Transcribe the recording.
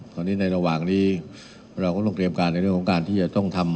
ตอนนี้ในระหว่างนี้เราก็ต้องเตรียมการในเรื่องของการที่จะต้องทำ